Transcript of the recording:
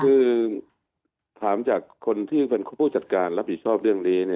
คือถามจากคนที่เป็นผู้จัดการรับผิดชอบเรื่องนี้